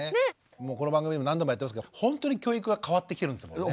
もうこの番組でも何度もやってますけどほんとに教育が変わってきてるんですもんね。